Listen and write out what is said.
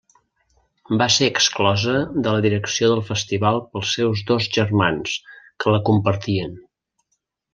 Va ser exclosa de la direcció del Festival pels seus dos germans, que la compartien.